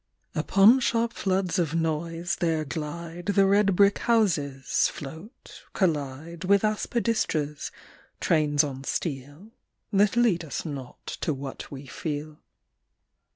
UPON sharp floods of noise, there glide The red brick houses, float, collide With aspidestras, trains on steel That lead us not to what we feel.